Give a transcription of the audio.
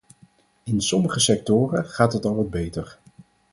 In sommige sectoren gaat het al wat beter.